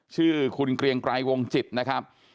ชื่อคุณเกรียงไกรวงจิตนะครับ